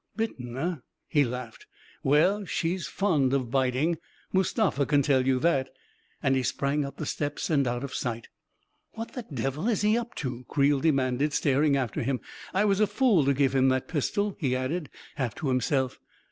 44 Bitten, eh ?" he laughed. " Well — she's fond of biting! Mustafa can tell you that I " And he sprang up the steps and out of sight. " What the devil is he up to? " Creel demanded, staring after him. " I was a fool to give him that pistol I " he added, half to himself.